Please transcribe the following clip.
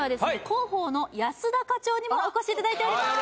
広報の安田課長にもお越しいただいております